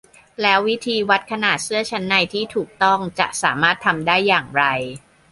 แล้ววิธีวัดขนาดเสื้อชั้นในที่ถูกต้องจะสามารถทำได้อย่างไร